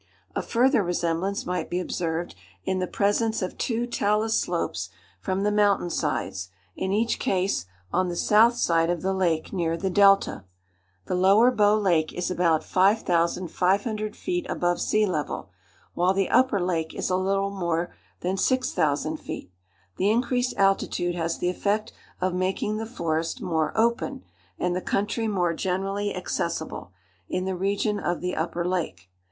A further resemblance might be observed in the presence of two talus slopes from the mountain sides, in each case on the south side of the lake, near the delta. The Lower Bow Lake is about 5500 feet above sea level, while the upper lake is a little more than 6000 feet. The increased altitude has the effect of making the forest more open, and the country more generally accessible, in the region of the upper lake.